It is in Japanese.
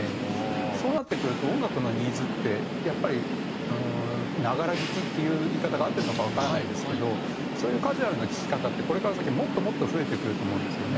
そうなってくると音楽のニーズってやっぱり「ながら聴き」っていう言い方が合ってるのかわからないんですけどそういうカジュアルな聴き方ってこれから先もっともっと増えてくると思うんですよね。